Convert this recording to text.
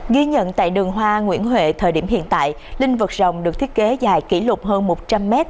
ghi nhận tại đường hoa nguyễn huệ thời điểm hiện tại linh vật rồng được thiết kế dài kỷ lục hơn một trăm linh m